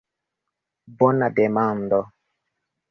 Bona demando.